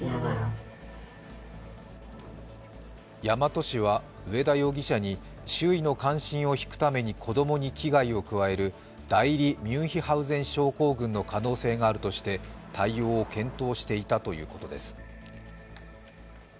大和市は上田容疑者に周囲の関心を引くために子供に危害を加える代理によるミュンヒハウゼン症候群の可能性があるとして対応を検討していたということです。